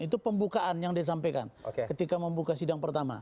itu pembukaan yang disampaikan ketika membuka sidang pertama